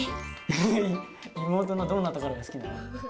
妹のどんなところが好きなの？